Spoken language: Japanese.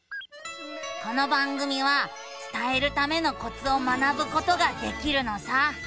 この番組は伝えるためのコツを学ぶことができるのさ。